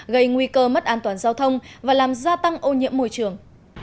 gây nguy cơ mất an toàn giao thông và làm gia tăng ô nhiễm môi trường